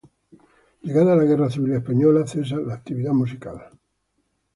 Llegada la Guerra Civil Española, cesa la actividad musical.